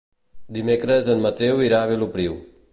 Dimecres en Mateu irà a Vilopriu.